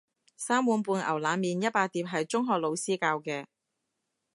三碗半牛腩麵一百碟係中學老師教嘅